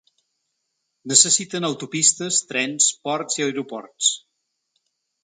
Necessiten autopistes, trens, ports i aeroports.